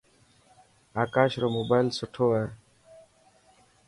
آڪاش رو موبائل سٺو هي.